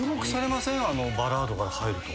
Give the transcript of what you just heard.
バラードから入ると。